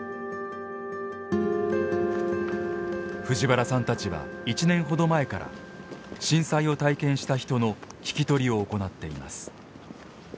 藤原さんたちは１年ほど前から震災を体験した人の聞き取りを行っています。